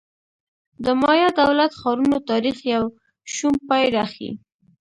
د مایا دولت ښارونو تاریخ یو شوم پای راښيي